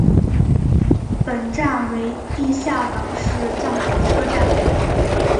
本站为地下岛式站台车站。